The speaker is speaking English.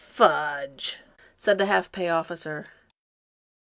" Fudge !" said the half pay officer.